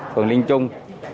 phường linh trung